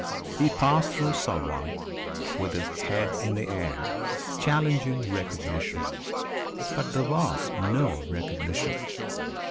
He passed through Salvan with his head in the air, challenging recognition. But there was no recognition.